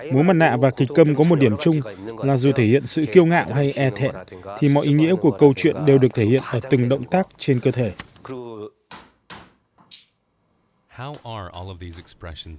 múa mặt nạ và kịch cầm có một điểm chung là dù thể hiện sự kiêu ngạo hay e thẹn thì mọi ý nghĩa của câu chuyện đều được thể hiện ở từng động tác trên cơ thể